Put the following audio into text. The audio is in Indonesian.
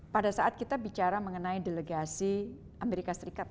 pada saat kita bicara mengenai delegasi amerika serikat